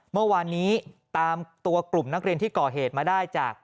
เมื่อวานนี้ตามตัวกลุ่มนักเรียนที่ก่อเหตุมาได้จาก